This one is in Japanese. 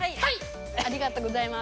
ありがとうございます。